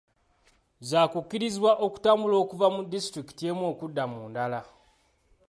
Zaakukkirizibwa okutambula okuva mu disitulikiti emu okudda mu ndala.